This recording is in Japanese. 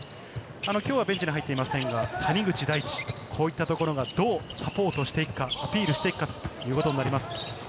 今日はベンチに入っていませんが、谷口大智、こういったところがどうサポートしていくか、アピールしていくかということになります。